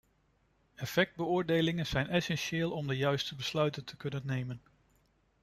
Effectbeoordelingen zijn essentieel om de juiste besluiten te kunnen nemen.